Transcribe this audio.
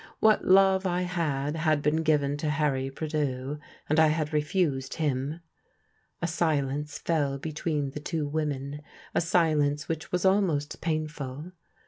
What love I had had been given to Harry Prideaux, and I had refused him." A silence fell between the two women, a silence which was almost painful.